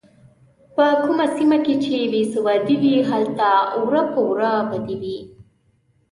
په کومه سیمه کې چې بې سوادي وي هلته وره په وره بدي وي.